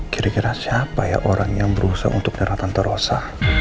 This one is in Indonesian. kira kira siapa ya orang yang berusaha untuk menyerah tante rosa